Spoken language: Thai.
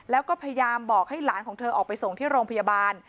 แล้วก็พยายามบอกให้หลานของเธอออกไปส่งที่โรงพยาบาล